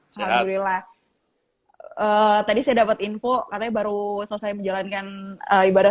alhamdulillah tadi saya dapat info katanya baru selesai menjalankan ibadah